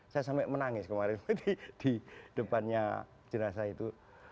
saya sampai menangis kemarin jadi di depannya jenazah itu